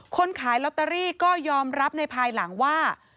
ขายลอตเตอรี่ก็ยอมรับในภายหลังว่า